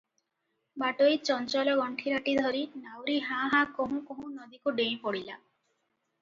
ବାଟୋଇ ଚଞ୍ଚଳ ଗଣ୍ଠିରାଟି ଧରି, ନାଉରୀ ହାଁ ହାଁ କହୁଁ କହୁଁ ନଦୀକୁ ଡେଇଁ ପଡିଲା ।